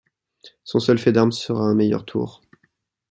Son seul fait d'armes sera un meilleur tour.